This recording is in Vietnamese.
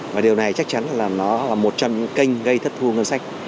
và điều này chắc chắn là nó là một trong những kênh gây thất thu ngân sách